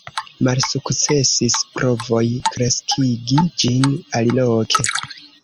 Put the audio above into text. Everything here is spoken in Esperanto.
Malsukcesis provoj kreskigi ĝin aliloke.